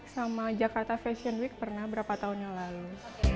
sama jakarta fashion week pernah berapa tahun yang lalu